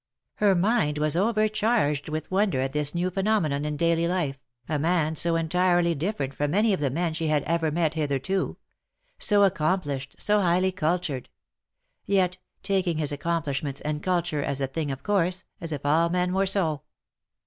Her mind was overcharged with wonder at this new phenomenon in daily life, a man so entirely different from any of the men she had ever met hitherto — so accomplished, so highly cultured ; yet taking his accomplishments and culture as a thing of course, as if all men were so.